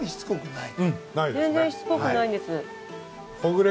全然しつこくないんです。